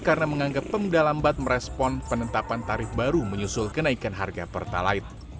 yang menanggap pembedah lambat merespon penentapan tarif baru menyusul kenaikan harga pertalait